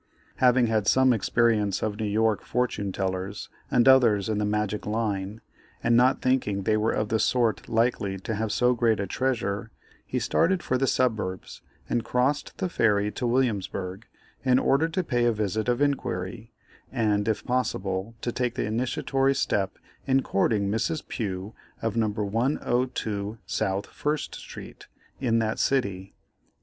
Having had some experience of New York fortune tellers and others in the magic line, and not thinking they were of the sort likely to have so great a treasure, he started for the suburbs, and crossed the ferry to Williamsburgh, in order to pay a visit of inquiry, and if possible to take the initiatory step in courting Mrs. Pugh, of No. 102 South First Street, in that city.